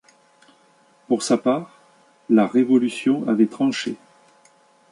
Pour sa part, la Révolution avait tranché.